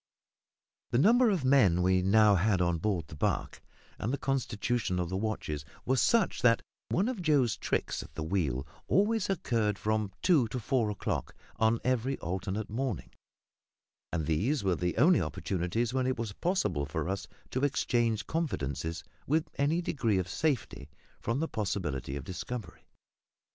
The number of men we now had on board the barque, and the constitution of the watches, were such that one of Joe's "tricks" at the wheel always occurred from two to four o'clock on every alternate morning; and these were the only opportunities when it was possible for us to exchange confidences with any degree of safety from the possibility of discovery.